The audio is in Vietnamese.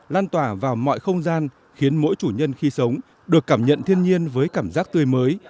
lan tỏa vào mọi không gian khiến mỗi chủ nhân khi sống được cảm nhận thiên nhiên với cảm giác tươi mới